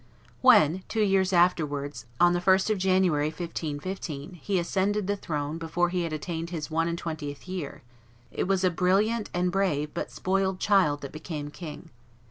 When, two years afterwards, on the 1st of January, 1515, he ascended the throne before he had attained his one and twentieth year, it was a brilliant and brave but spoiled child that became king.